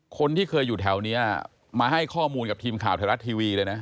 คนที่เคยอยู่แถวนี้มาให้ข้อมูลกับทีมข่าวไทยรัฐทีวีเลยนะ